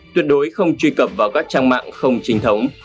tuyệt đối không truy cập vào các trang mạng không chính thống